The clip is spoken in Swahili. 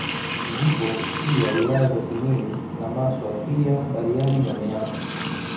Zipo pia wilaya za Simiyu na Maswa pia Bariadi na Meatu